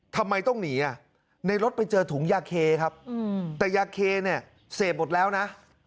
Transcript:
ทำไมต้องหนีในรถไปเจอถุงยาเคครับแต่ยาเคเนี่ยเสพหมดแล้วนะ